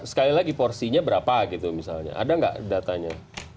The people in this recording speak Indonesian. sekali lagi porsinya berapa gitu misalnya ada nggak datanya